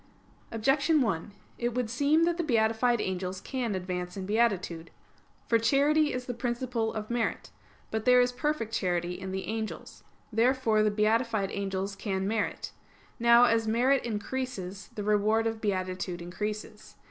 Objection 1: It would seem that the beatified angels can advance in beatitude. For charity is the principle of merit. But there is perfect charity in the angels. Therefore the beatified angels can merit. Now, as merit increases, the reward of beatitude increases.